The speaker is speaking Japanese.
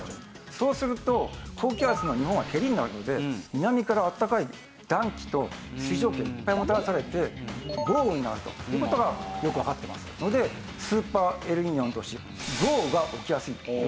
そうすると高気圧の日本はへりになるので南から暖かい暖気と水蒸気がいっぱいもたらされて豪雨になるという事がよくわかってますのでスーパーエルニーニョの年豪雨が起きやすいという。